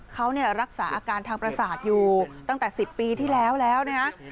เขารักษาอาการทางประสาทอยู่ตั้งแต่๑๐ปีที่แล้วแล้วนะฮะ